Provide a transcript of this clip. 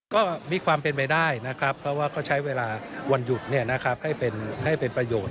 ก็มีความเป็นไปได้นะครับเพราะว่าก็ใช้เวลาวันหยุดให้เป็นประโยชน